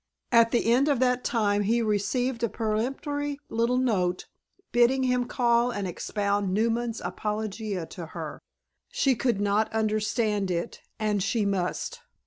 At the end of that time he received a peremptory little note bidding him call and expound Newman's "Apologia" to her. She could not understand it and she must.